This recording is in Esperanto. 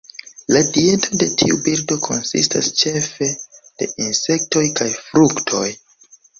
La dieto de tiu birdo konsistas ĉefe de insektoj kaj fruktoj.